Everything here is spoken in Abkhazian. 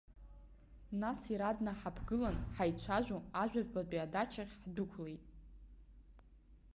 Нас иара днаҳаԥгылан, ҳаицәажәо ажәабатәи адачахь ҳдәықәлеит.